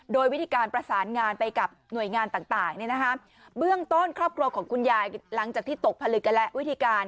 โดยวิธีการประสานงานไปกับหน่วยงานต่างเบื้องต้นครอบครัวของคุณยายหลังจากที่ตกผลึกกันและวิธีการ